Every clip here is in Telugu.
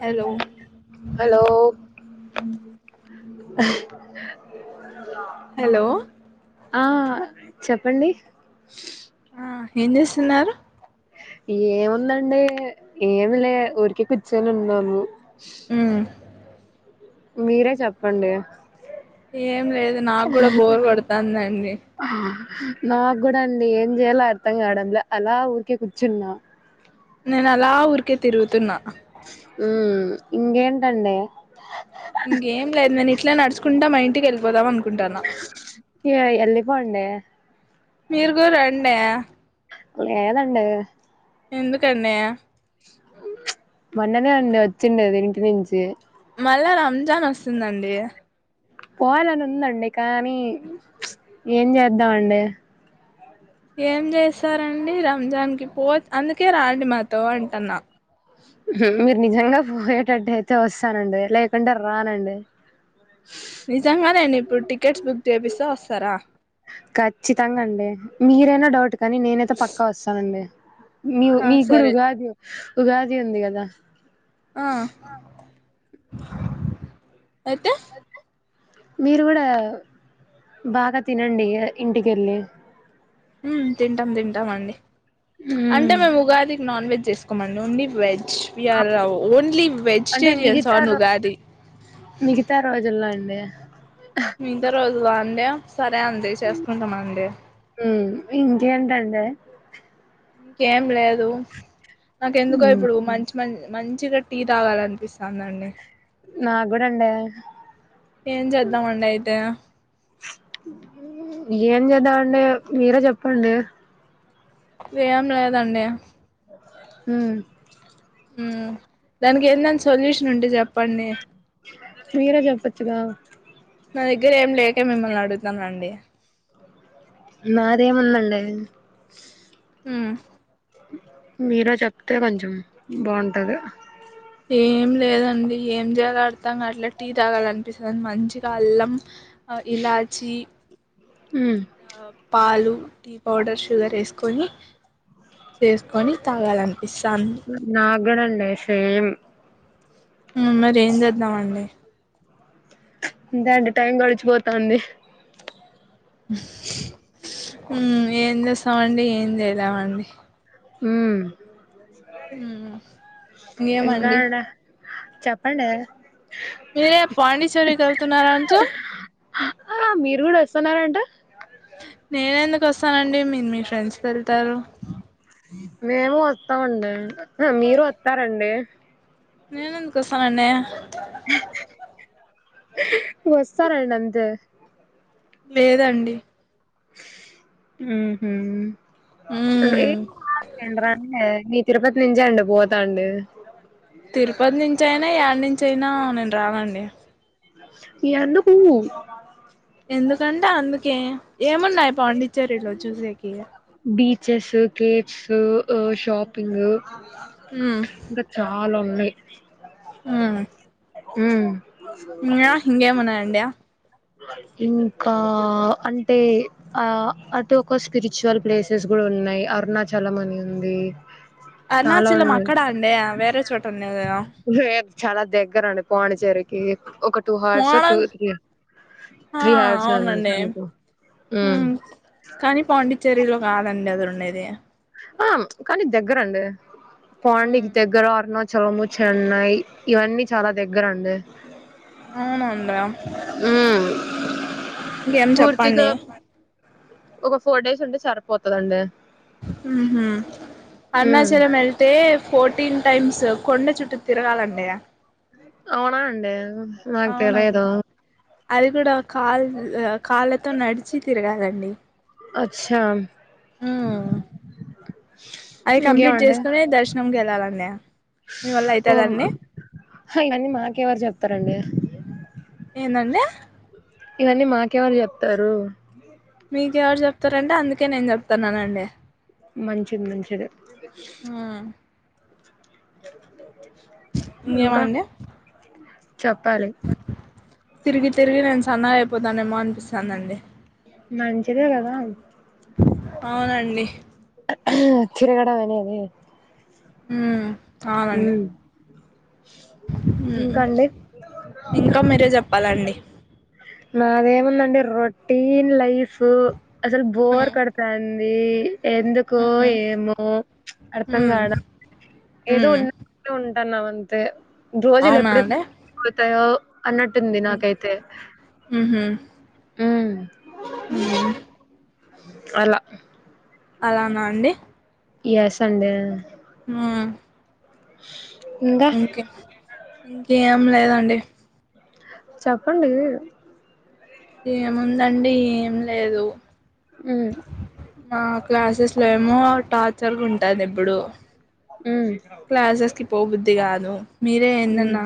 హలో హలో హలో ఆ చెప్పండి ఆ ఏం చేస్తున్నారు ఏముందండి ఏమి లే ఊరికే కూర్చోనీ ఉన్నాము ఉమ్ మీరే చెప్పండి. ఏం లేదు, నాకు కూడా, బోరు, కొడుతు. తన్నేయక్. నిన్నే. నాకు కూడా, అండి, ఏం జెయాలో, అర్థం కావడం లే, అలా ఊరికే, కూర్చున్నా. నేను, అలా ఊరికే, తిరుగుతున్నా. ఉ, ఇంకేంటండి. ఇంకేం లేదు నేను ఇట్లా నడుచుకుంటా మా ఇంటికి, వెళ్ళిపోదాం, అను ఉంటానా. ఎల్లిపోండే. మీరు కూరు రండే. లేదండే. ఎందుకు అండి. మొన్ననేే అండి, వచ్చింది, ఇంటి నుంచి. మళ్ళా, రంజాన్, వస్తుందండి. పోవాలని ఉందండి, కానీ, ఏం జెద్దాం అండి. ఏం, జెస్తారండి., రంజాన్ కి, పో, అందుకే రాండి, మాతో, అంటన్నా. మీరు, నిజంగా పోయేటట్టు అయితే, వొస్తానండి, లేకుంటే రానండి. నిజంగానే, నేను ఇప్పుడు, టికెట్స్ బుక్ చేపిస్తా, వస్తారా. ఖచ్చితంగా అండి మీరైనా డౌట్, కానీ నేనైతే పక్కా, వొస్తానండి. మీ, ఆ మీ కూడా, సరే ఉగాది, ఉగాది ఉంది, కదా. దా. ఆ. ఏటూ. మీరు కూడా, బాగా తినండి., అ ఇంటికి కెళ్ళి ఉమ్, తింటాం, తింటాం అండి. హ్మ్ అంటే, మేము, ఉగాదికి నాన్, వెజ్. చేసుకోమండి, ఓన్లీ వెజ్, విఆర్ ఓన్లీ. అంటే, వెజిటేరియన్స్ మిగతా, ఆన్ రో ఉగాది మిగతా రోజుల్లో, అండి. మీగత, రోజు. అండి, సరే అండి, చేసుకుంటామ అండి. ఉమ్, ఇంకేంటండి. ఇంకేం, లేదు. నాకు, ఎందుకో హ్మ్ ఇప్పుడు, మంచి మన్. మంచిగా, టీ తావాలనిపిస్తుంది. అవునండి, నాకు కూడా అండి ఏం చేద్దామండి, అయితే. ఏం చేద్దామండి, మీరే చెప్పండి. వేయాం లేదా అండి హ దానికి ఎందన్నా సొల్యూషన్ ఉంటే చెప్పండి మీరే చెప్పొచ్చుగా నా దగ్గర ఏం లేక మిమ్మల్ని అడుగుతాంనండి నాదేముందండి హ మీరో చెప్తే కొంచెం బాగుంటుంది ఏం లేదండి ఏం చేయాల అడతాం అట్లా టీ తాగాల అనిపిస్తుంది మంచిగా అల్లం ఇలాయచి హ పాలు టీ పౌడర్ షుగర్ వేసుకొని చేసుకొని తాగాలనిపిస్తాను నాకు కూడా సేమ్ మరి ఏం చేద్దద్దామండి అంతే అండి టైం గడిచిపోతాంది ఏం చేస్తాం అండి ఏం చేయలేమండీ అ ఇంకా ఏమండీ అండి చెప్పండి మీరే పాండేశ్వరి వెళ్తున్నారా అంటు ఆ మీరు కూడా వస్తున్నారంట నేను ఎందుకు వస్తానండి మీ మీ ఫ్రెండ్స్కి వెళ్తారు మేము వస్తామండి మీరు వస్తారండి నేనుందుకోసనన్నే అ వస్తాార అంత లేదండి ఆ ఉమ్, [unintelligible] తిరుపతి నెంజాడి పోతాడి తిరుపతి నుంచి అయినా అ నుంచి అయినా నేను రానండి ఎందుకు ఎందుకంటే అందు కే ఏమున్నాయి పాండిచేరీ లో చూసేకి బీచెస్ కేఫ్స్ షాపింగ్ ఇంకా చాలా ఉన్నాయి ఆ హు యా ఇంకా ఏమున్నాయి అండి ఇంకా అంటే ఆ ద్ దోక స్పిరిచువల్ ప్లేసెస్ కూడా ఉన్నాయి అరుణాచలం అని ఉంది చాలా అరుణాచలం ఉన్నాయి అక్కడ అండే వేరే చోట ఉన్నదా చాలా దగ్గర అండి పాండిచ్చేరికి ఒక టూ హార్స్ మోడల్ ఆ త్రీ హార్స్ అవునండి ఓ హు ఉమ్ కానీ పాండిచేరిలో లో కాదండి అదరుండేది ఆ కానీ దగ్గరండి పాండేకి దగ్గర అరుణ చలము చెన్నై ఇవన్నీ చాలా దగ్గర అండి అవునండి ఇంకేం చెప్పండి పూర్తిగా ఒక ఫోర్ డేస్ ఉంటే సరిపోతదండి మ్ హు ఉమ్ అరుణాచలం వెళ్తే ఫోర్టీన్ టైమ్స్ కొండ చుట్టూ తిరగాలండి అవునా అండి నాకు తెలియదు అవునండి అది కూడా కాల్ కాళ్ళతో నడిచి తిరగాలండి అచ్చా హు అది కంప్లీట్ ఇంకేమండి చేసుకునే దర్శనం కెల్ తరండీ ఓ మ్మ ఆయన్ని నాకెవరు చెప్తారండి ఏందండి ఇవన్నీ మాకేవరు చెప్తారు మీకు ఎవరు చెప్తారంటే అందుకే నేను చెప్తున్నానండి మంచిది మంచిది మ్మ్ ఇంకా ఏవండీ చెప్పాలి తిరిగి తిరిగి నేను సన్న అయిపోతానమో అనిపిస్తాదండి మంచిదే కదా అవునండి తిరగడం అనేది ఉ అవునండి ఇంకా అండి ఉ ఇంకా మీరే చెప్పాలండి నాదేముందండి రొటీన్ లైఫు అసలు బోర్ మ్మ్ కడతా యే ఎందుకో మ్మ్ ఏమో అర్థం కావటం మ్మ్ ఏదో మ్మ్ ఉన్నామంటే ఉన్నాం ఉంటానం అంతే రోజులు అవునా ఎప్పుడెప్పుడు అండి పోతాయో అన్నట్టుంది నాకైతే ఉమ్ ఉ అలా అలానా అండి ఎస్ అండి ఆ ఇంగా ఇంకేం ఇంకేం లేదండి చెప్పండి ఏముందండి ఏం లేదు మ్మ్ మా క్లాసెస్ లో మో టార్ ర్చర్ కుంటది ఇప్పుడు మ్మ్ క్లాసెస్ కి పో బుద్ది ద్ది గాదు మీరే ఏందన్నా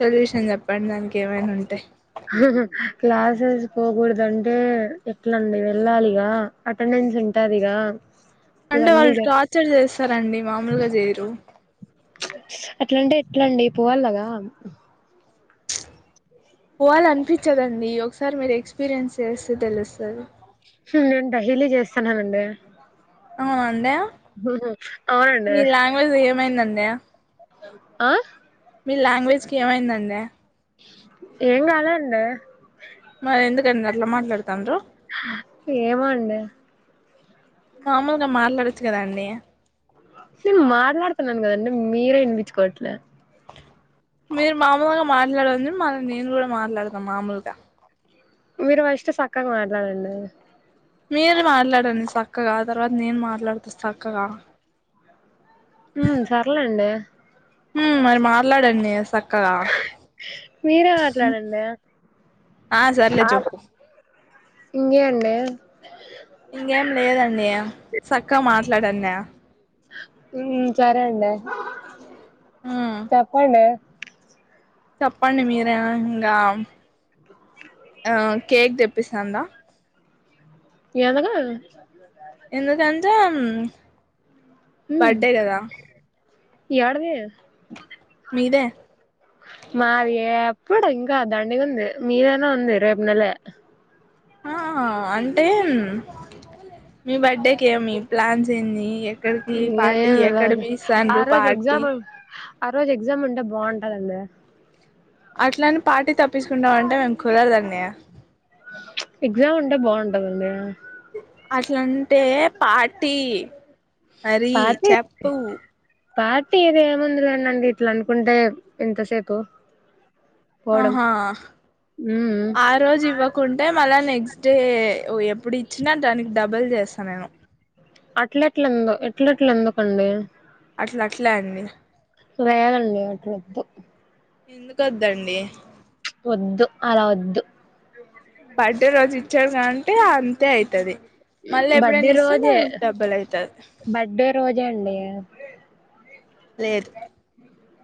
సొల్యూషన్ చెప్పండి దానికి ఏమైనా ఉంటే క్లాసెస్ పోగూడదు అంటే ఎట్లండి ఎళ్ళాలిగా అటెండెన్స్ ఉంటదిగా అంటే వాల్ టార్చర్ చేస్తారండి మాముూలుగా జేయరు అట్లంటే ఎట్లండి పోవాలిగద పోవాలనిపించదండి ఒకసారి మీరు ఎక్స్పీరియన్స్ చేస్తే తెలుస్తది వస్తది నేను డైలీ చేస్తానండి ఆ అండి ఉహు అవునండి నే ఆ మీ లాంగ్వేజ్ కి ఏమైందండి ఏం గాలే అండి, మరి ఎందుకండి అట్లా మాట్లాడుతారు ఏమండీ మామూలుగా మాట్లాడచ్చుగా గదా అండి సిమ్ మాట్లాడతన్న గదండీ, మీరే వినిపించుకోవట్ల మీరు మామూలుగా మాట్లాడండి మరే నేను కూడా మాట్లాడతా మామూలుగా, మీరు ఫస్ట్ సక్కగా మాట్లాడండి మీరు మాట్లాడండి సక్కగా తర్వాత నేను మాట్లాడుతా సక్కగా, మ్మ్ సర్లేండి హుమ్ మరి మాట్లాడండి స క్కగా మీరే మాట్లాడండి ఆ సర్లే చెప్పు ఇంగ్యేండి సక్కగా మాట్లాడు అన్య హుమ్ సరే అండి మ్మ్ చెప్పండి చెప్పండి మీరే ఇంగ ఆ కేక్ తే వినిపిస్తుందా ఎల్గా ఎందుకంటె బర్త్డేగదా యడది ఇదే ఇప్పుడ ఇంకా దాండిగా ఉంది మీదనా ఉంది రేపు నెల ఆ అంటే మీ బర్త్డేకి ఏమి ప్లాన్స్ ఏంది, ఎక్కడికి పార్టీ ఏమి ఎక్కడ లేదు ఆ పిలుస్తాండ్రు రోజు పార్టీ ఎగ్జామ్ ఆ రోజు ఎగ్జామ్ ఉంటే బాగుంటదండి అట్లాని పార్టీ తప్ప తప్పసుకుంటామంటే మేము కుదరదండి నే ఎగ్జామ్ ఉంటే బాగుంటదండి అట్లంటే పార్టీ మరి పార్టీ చేప్పు పార్టీ ఇది ఏముందిలేనండి ఇట్లా అనుకుంటే ఎంతసేపు ఆహా ఉమ్ ఆ రోజు ఇవ్వకుంటే మళ్ళ నెక్స్ట్ డే ఎప్పుడు ఇచ్చినా దానికి డబుల్ చేస్తా నేను అట్లెట్ల [unintelligible] ఎట్లట్ల ఎందుకండి అట్లా అట్లే అండి లేదండి అట్లదు ఎందుకొద్దండి వద్దు అలా వద్దు బర్డే రోజు ఇచ్చాడు కాంటే అంతే ఐతది బర్డే రోజే అయితది బర్డే రోజే అండి లేదు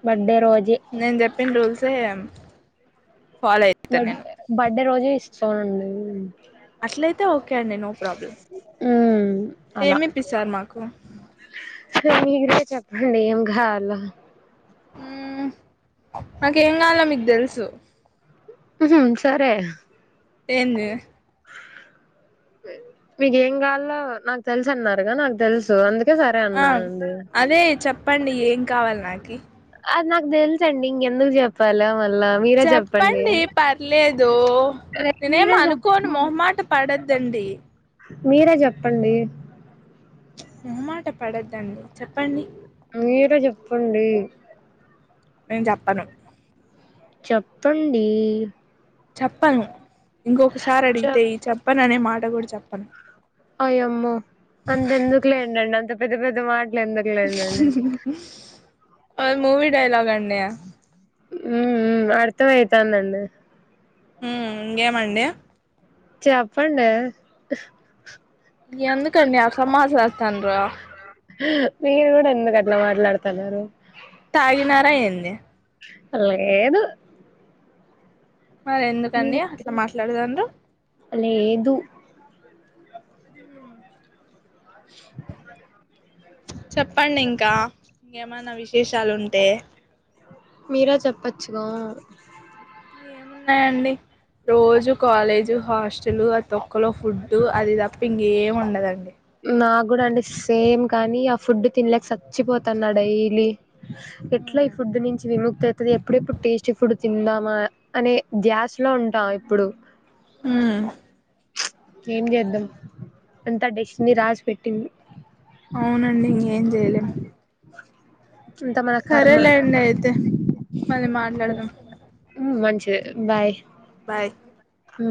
బర్త్డే రోజే నేన్ చెప్పిన్ రూల్ తేమ్ బడ్ బడ్డే రోజే ఇస్ సోనండి అట్లయితే ఓకే అండి నో ప్రాబ్లం మ్మ్ ఏమి ఇప్పి స్తారు మాకు మీ [inaudible] చెప్పండి ఏం కావాలో మ్మ్ నాకేం కావలో మీకు తెలుసు ఊహూ సరే ఏంది మీకేం కావాలో నాకు తెలుసు అన్నారుగా నాకు తెలుసు అందుక్ ఆ అదే చెప్పండి ఏ [unintelligible] కావాలి నాకి అది నాకు తెలుసండి ఇంకెందుకు చెప్పాల చెప్పండి పర్లేదు అదే నేనేం మీరే చెప్ అనుకోను మొహమాటపడద్దండి మీరే చెప్పండి మొహమాటపడద్దండి చెప్పండి మీరే చెప్పండి నేను చెప్పను చెప్పండి చెప్పను ఇంకొకసారి అడిగితే ఈ చెప్ ప్పననే మాట కూడా చెప్పను అయ్యమ్మో అంతెందుకులేడండి అంత పెద్ద పెద్దమాట [unintelligible] అది మూవీ డైలాగ్ అండీ హు అర్థం అయితంది అండి హు ఇంగేమండి. చెప్పండి. ఎందుకండీ అట్ల మాట్లాడుతండ్రు మీరు కూడా ఎందుకు అట్లా మాట్లాడుతున్నారు. తాగినారా ఏంది లేదు మరి మీ ఎందుకండి అట్లా మాట్లాడుతాండ్రు లేదు [unintelligible] చెప్పండి ఇంకా ఇంకేమనా విశేషాలు ఉంటే మీరె చెప్పచ్చుగా ఇ ఏమున్నాయండి రోజు కాలేజు హాస్టల్ ఆ తొక్కలో ఫుడ్ అది తప్ప ఇంకేము ఉండదండి నా కూడా అంటే సేమ్ కానీ ఆ ఫుడ్ తినలేక సచ్చిపోతున్నా డైలీ ఉ ఎట్లా ఈ ఫుడ్ నుంచి విముక్తి అవుతది ఎప్పుడెప్పుడు టేస్టీ ఫుడ్ తిందా మా అనే ధ్యాసలో ఉంటాం ఎప్పుడు హు ఏం చేద్దాం అంతా డెస్ట్ని రాసి పెట్టింది. అవునండి ఇంకేం చేయలేం [inaudible] కర్మ సరేలేండి అయితే మళ్ళీ మాట్లాడదాం. తే బాయ్ బాయ్ హు